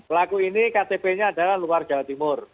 pelaku ini ktp nya adalah luar jawa timur